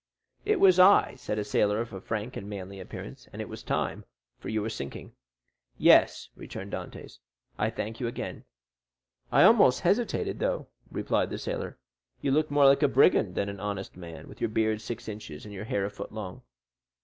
"It was I," said a sailor of a frank and manly appearance; "and it was time, for you were sinking." "Yes," returned Dantès, holding out his hand, "I thank you again." "I almost hesitated, though," replied the sailor; "you looked more like a brigand than an honest man, with your beard six inches, and your hair a foot long."